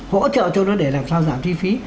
hỗ trợ cho nó để làm sao giảm chi phí